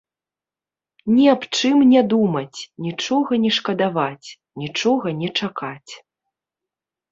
Ні аб чым не думаць, нічога не шкадаваць, нічога не чакаць.